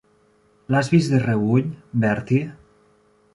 L'has vist de reüll, Bertie?